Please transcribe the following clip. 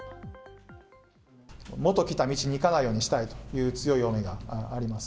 元来た道に行かないようにしたいという強い思いがあります。